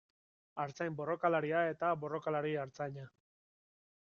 Artzain borrokalaria eta borrokalari artzaina.